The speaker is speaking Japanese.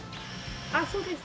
ああそうです！